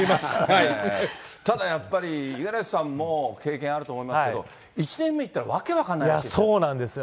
ただやっぱり、五十嵐さんも経験あると思いますけど、１年目行ったら訳分かんないらしいですそうなんですよ。